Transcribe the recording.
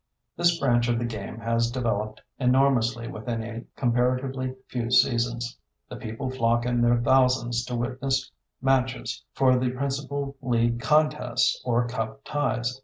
This branch of the game has developed enormously within a comparatively few seasons. The people flock in their thousands to witness matches for the principal league contests or cup ties.